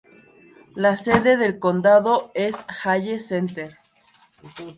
La sede del condado es Hayes Center.